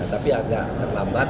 tapi agak terlambat